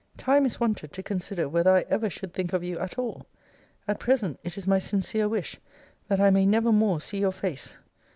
Time is wanted to consider whether I ever should think of you at all. At present, it is my sincere wish, that I may never more see your face.